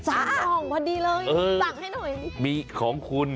สั่งพอดีเลยสั่งให้หน่อย